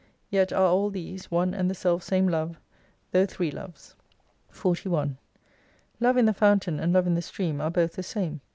Yet are all these, one and the ^elf same Love : though three Loves. 41 Love in the fountain and Love in the stream are both the same.